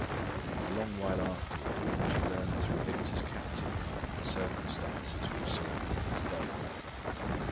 A long while afterward, she learned through Victor's captain, the circumstances which surrounded his death.